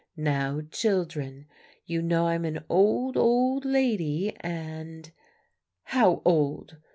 Now, children, you know I'm an old, old lady, and" "How old?"